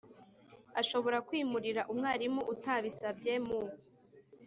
Ashobora kwimurira umwarimu utabisabye mu